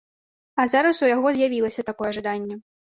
А зараз у яго з'явілася такое жаданне.